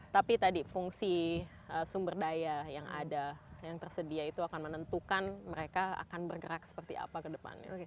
tapi tadi fungsi sumber daya yang ada yang tersedia itu akan menentukan mereka akan bergerak seperti apa ke depannya